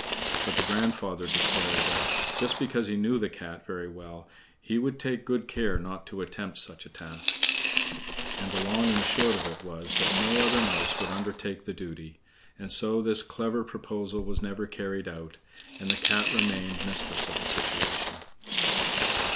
But the grandfather declared that just because he knew the Cat very well he would take good care not to attempt such a task. And the long and the short of it was that no other mouse would undertake the duty; and so this clever proposal was never carried out, and the Cat remained mistress of the situation.